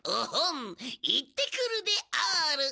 行ってくるである！